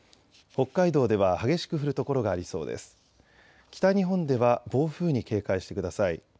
北日本では暴風に警戒してください。